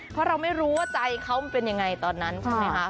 เพราะเราไม่รู้ว่าใจเค้าเป็นยังไงตอนนั้นค่ะ